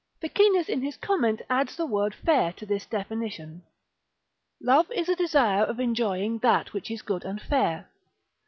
Ficinus in his comment adds the word fair to this definition. Love is a desire of enjoying that which is good and fair.